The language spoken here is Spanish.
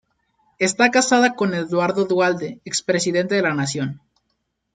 Está casada con Eduardo Duhalde, expresidente de la Nación.